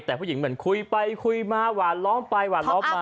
แต่ผู้หญิงเหมือนคุยไปคุยมาหวานล้อมไปหวานล้อมมา